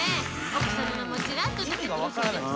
「奥さまもちらっと出てくるそうですけど」